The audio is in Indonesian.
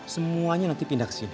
semuanya nanti pindah kesini